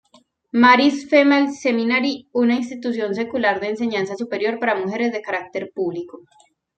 Mary's Female Seminary, una institución secular de enseñanza superior para mujeres de carácter público.